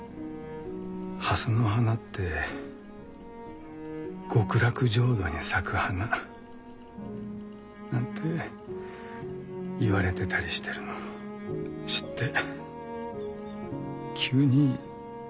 蓮の花って極楽浄土に咲く花。なんて言われてたりしてるの知って急に親近感湧いてね。